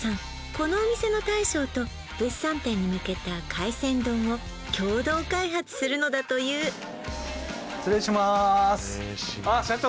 このお店の大将と物産展に向けた海鮮丼を共同開発するのだという失礼します社長